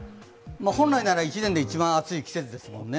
本来なら１年で一番暑い季節ですもんね。